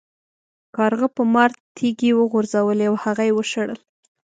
کارغه په مار تیږې وغورځولې او هغه یې وشړل.